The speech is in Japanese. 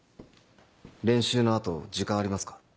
練習の後時間ありますか？